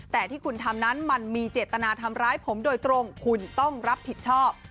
แต่ที่คุณทำนั้นมันมีเจตนาทำร้ายผมโดยตรงคุณต้องรับผิดชอบ